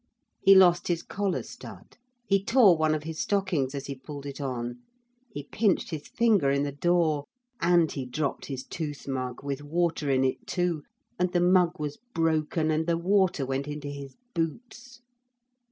He lost his collar stud, he tore one of his stockings as he pulled it on, he pinched his finger in the door, and he dropped his tooth mug, with water in it too, and the mug was broken and the water went into his boots.